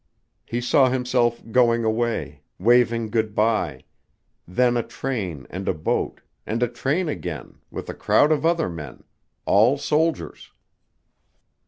He saw himself going away, waving good by: then a train and a boat, and a train again, with a crowd of other men, all soldiers.